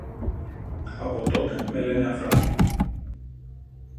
Από τότε με λένε Αφράτο